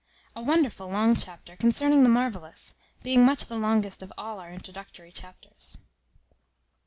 A wonderful long chapter concerning the marvellous; being much the longest of all our introductory chapters.